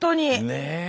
ねえ。